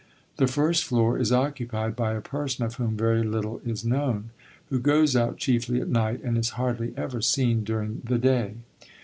The first floor is occupied by a person of whom very little is known, who goes out chiefly at night and is hardly ever seen during the day.